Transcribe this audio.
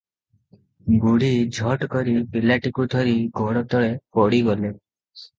ବୁଢ଼ୀ ଝଟକରି ପିଲାଟିକୁ ଧରି ଗୋଡ଼ତଳେ ପଡ଼ିଗଲେ ।